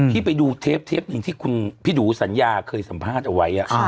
ที่ไปดูเทปหนึ่งที่คุณพี่ดูสัญญาเคยสัมภาษณ์เอาไว้